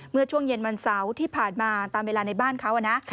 เมื่อช่วงเย็นวันเสาร์ที่ผ่านมาตามเวลาในบ้านเขานะ